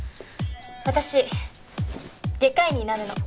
私外科医になるの。